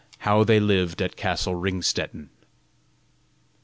HOW THEY LIVED AT CASTLE RINGSTETTEN.